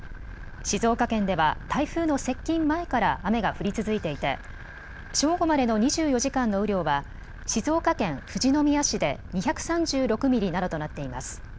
静岡県では台風の接近前から雨が降り続いていて正午までの２４時間の雨量は静岡県富士宮市で２３６ミリなどとなっています。